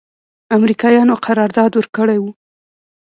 امریکایانو قرارداد ورکړی و.